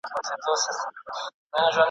د ښار خلکو ته راوړې یې دعوه وه !.